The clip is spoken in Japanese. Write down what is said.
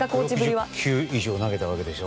１６０球以上投げたわけでしょ。